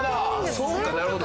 そうかなるほど。